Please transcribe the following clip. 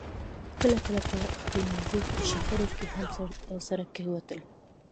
کله کله به په خپلمنځي شخړو کې هم سره کېوتل